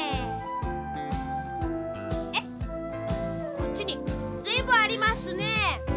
こっちにずいぶんありますね。